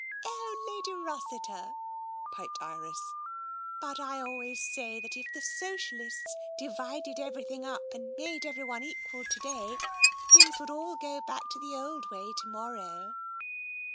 *' Oh, Lady Rossiter !" piped Iris ;" but I always say that if the socialists divided everything up and made everyone equal to day, things would all go back to the old way to morrow